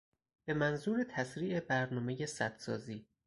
به منظور تسریع برنامهی سد سازی